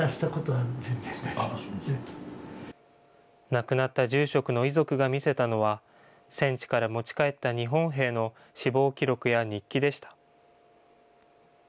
亡くなった住職の遺族が見せたのは、戦地から持ち帰った日本兵の死亡記録や日記でした。